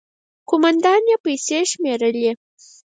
، کومندان يې پيسې شمېرلې.